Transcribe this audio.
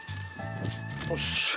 よし。